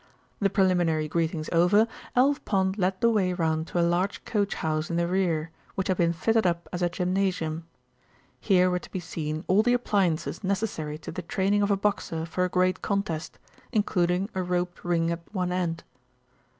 The preliminary greetings over, Alf Pond led the way round to a large coach house in the rear, which had been fitted up as a gymnasium. Here were to be seen all the appliances necessary to the training of a boxer for a great contest, including a roped ring at one end.